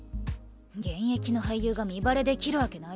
現役の俳優が身バレできるわけないだろ。